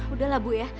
udahlah ibu ya